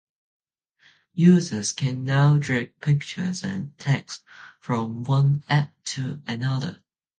Users can now drag pictures and text from one app to another.